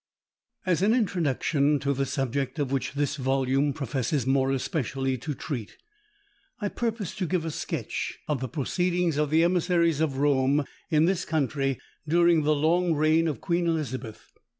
As an introduction to the subject, of which this volume professes more especially to treat, I purpose to give a sketch of the proceedings of the emissaries of Rome in this country, during the long reign of Queen Elizabeth.